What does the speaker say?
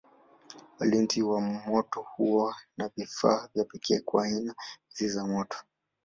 Walinzi wa moto huwa na vifaa vya pekee kwa aina hizi za moto.